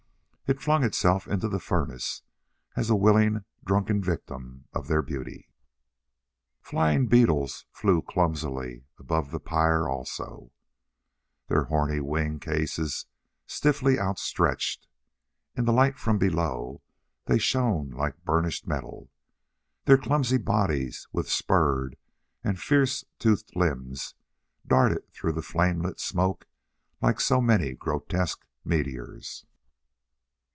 It flung itself into the furnace as a willing, drunken victim of their beauty. Flying beetles flew clumsily above the pyre also, their horny wing cases stiffly outstretched. In the light from below they shone like burnished metal. Their clumsy bodies, with spurred and fierce toothed limbs, darted through the flame lit smoke like so many grotesque meteors.